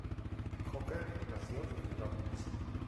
Hooker nació en Norwich.